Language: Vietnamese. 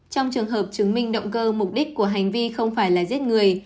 trong trường hợp chứng minh động cơ mục đích của hành vi không phải là giết người